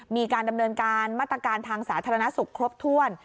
มีการดำเนินการมาตรการทางสาธารณสุขครบถ้วน